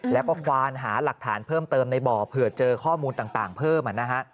แล้วก็ควานหาหลักฐานเพิ่มเติมในบ่อเผื่อเจอข้อมูลต่างเพิ่ม